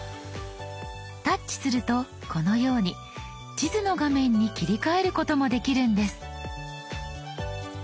タッチするとこのように地図の画面に切り替えることもできるんです。